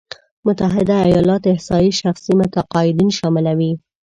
متحده ایالات احصایې شخصي مقاعدين شاملوي.